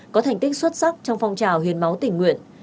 có thành tích xuất sắc trong phong trào hiến máu tỉnh nguyện